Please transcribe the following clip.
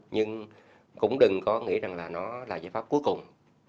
nhưng cũng đừng có nghĩ rằng là nó là giải pháp cuối cùng